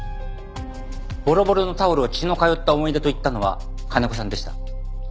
ボロボロのタオルを血の通った思い出と言ったのは金子さんでした。